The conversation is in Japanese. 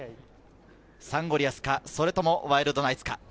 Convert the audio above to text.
サンゴリアスか、それともワイルドナイツか。